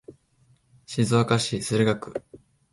静岡市駿河区